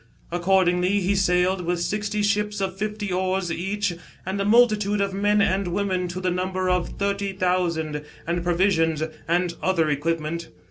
Accordingly he sailed, with sixty ships of fifty oars each, and a multitude of men and women to the number of thirty thousand, and provisions and other equipment.